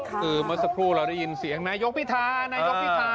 คือเมื่อสักครู่เราได้ยินเสียงนายกพิธานายกพิธา